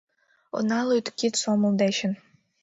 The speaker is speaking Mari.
Она лӱд кид сомыл дечын.